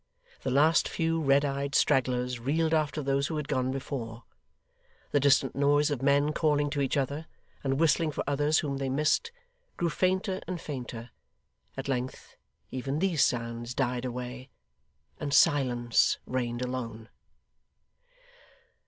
The last few red eyed stragglers reeled after those who had gone before; the distant noise of men calling to each other, and whistling for others whom they missed, grew fainter and fainter; at length even these sounds died away, and silence reigned alone.